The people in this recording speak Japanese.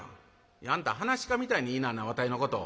「あんた噺家みたいに言いなんなわたいのこと。